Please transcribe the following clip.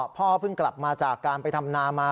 พ่อเพิ่งกลับมาจากการไปทำนามา